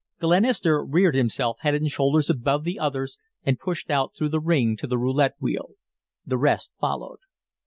Glenister reared himself head and shoulders above the others and pushed out through the ring to the roulette wheel. The rest followed.